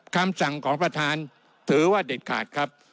คำสั่งของประธานถือว่าเด็ดขาดครับ